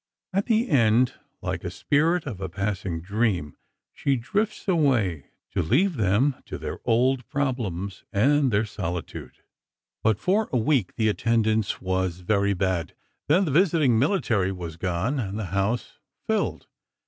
At the end, like a spirit of a passing dream, she drifts away, to leave them to their old problems and their solitude." But for a week, the attendance was very bad. Then the visiting military was gone, and the house filled.